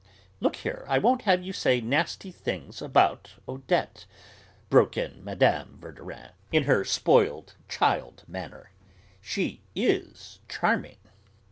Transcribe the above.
"Look here, I won't have you saying nasty things about Odette," broke in Mme. Verdurin in her 'spoiled child' manner. "She is charming."